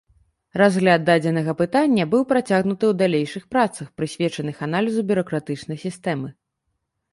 Разгляд дадзенага пытання быў працягнуты ў далейшых працах, прысвечаных аналізу бюракратычнай сістэмы.